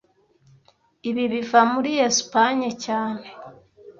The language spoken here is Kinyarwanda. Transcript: Ibi biva muri Espanye cyane